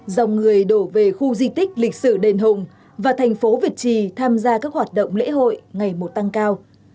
dòng người đổ về khu di tích lịch sử đền hùng và thành phố việt trì tham gia các hoạt động lễ hội ngày một tăng cao